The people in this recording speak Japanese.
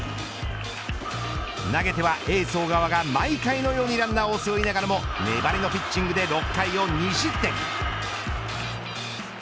投げては、エース小川が毎回のようにランナーを背負いながらも粘りのピッチングで６回を２失点。